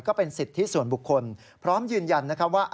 ก็เป็นสิทธิส่วนบุคคลพร้อมยืนยันนะครับว่า